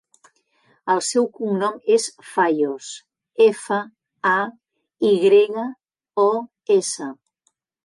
El seu cognom és Fayos: efa, a, i grega, o, essa.